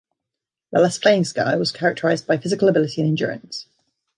Lalas' playing style was characterized by physical ability and endurance.